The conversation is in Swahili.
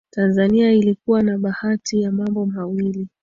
Tanzania ilikuwa na bahati ya mambo mawili